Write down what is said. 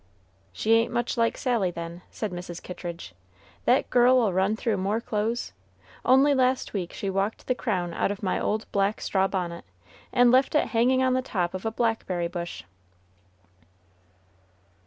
"She ain't much like Sally, then!" said Mrs. Kittridge. "That girl'll run through more clothes! Only last week she walked the crown out of my old black straw bonnet, and left it hanging on the top of a blackberry bush."